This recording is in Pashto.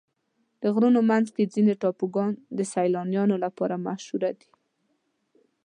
د غرونو منځ کې ځینې ټاپوګان د سیلانیانو لپاره مشهوره دي.